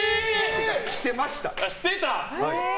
してました。